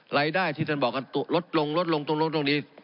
รายได้ที่ท่านบอกลดลงตรงตรงนี้